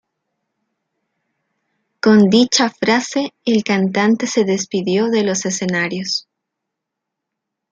Con dicha frase, el cantante se despidió de los escenarios.